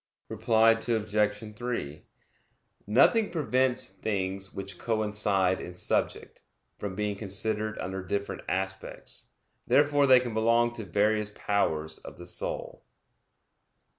Reply Obj. 3: Nothing prevents things which coincide in subject, from being considered under different aspects; therefore they can belong to various powers of the soul.